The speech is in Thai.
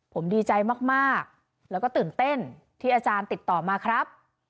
ผมดีใจมากแล้วก็ตื่นเต้นที่อาจารย์ติดต่อมาครับ